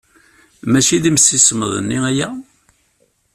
Maci d imsismeḍ-nni aya?